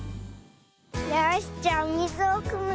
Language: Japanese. よしじゃあおみずをくむよ。